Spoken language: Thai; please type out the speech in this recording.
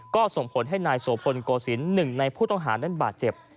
ก็ส่งผลให้นายโสพลโกศิลป์หนึ่งในผู้ต้องหานั้นบาดเจ็บ